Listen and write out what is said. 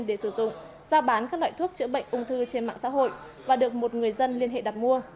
để sử dụng giao bán các loại thuốc chữa bệnh ung thư trên mạng xã hội và được một người dân liên hệ đặt mua